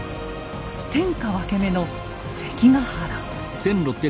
天下分け目の「関ヶ原」。